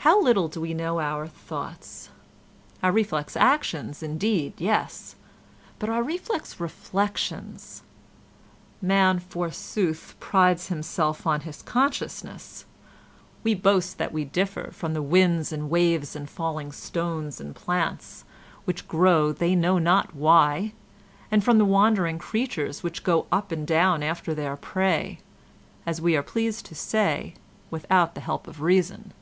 How little do we know our thoughts—our reflex actions indeed, yes; but our reflex reflections! Man, forsooth, prides himself on his consciousness! We boast that we differ from the winds and waves and falling stones and plants, which grow they know not why, and from the wandering creatures which go up and down after their prey, as we are pleased to say without the help of reason.